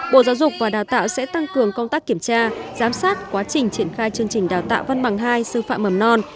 bộ giáo dục và đào tạo sẽ tăng cường công tác kiểm tra giám sát quá trình triển khai chương trình đào tạo văn bằng hai sư phạm mầm non